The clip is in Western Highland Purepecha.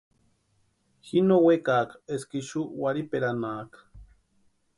Ji no wekaaka eska ixu warhiperanhaaka.